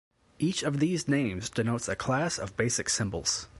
Each of these names denotes a class of basic symbols.